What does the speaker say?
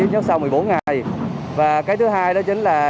nhưng sau một mươi bốn ngày và cái thứ hai đó chính là